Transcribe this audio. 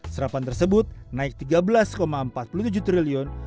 serapan tersebut naik rp tiga belas empat puluh tujuh triliun